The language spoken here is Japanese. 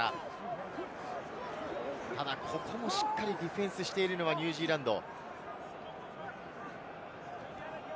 ただここもしっかりディフェンスしているのはニュージーランド。